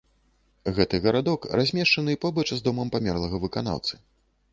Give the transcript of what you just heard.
Гэты гарадок размешчаны побач з домам памерлага выканаўцы.